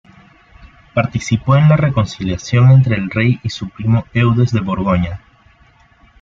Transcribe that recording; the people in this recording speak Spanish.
Participó en la reconciliación entre el rey y su primo Eudes de Borgoña.